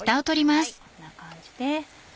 こんな感じで。